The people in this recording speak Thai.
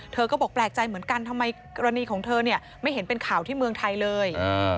เธอก็บอกแปลกใจเหมือนกันทำไมกรณีของเธอเนี่ยไม่เห็นเป็นข่าวที่เมืองไทยเลย